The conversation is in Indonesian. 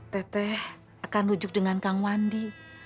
teteh akan rujuk dengan kang wandi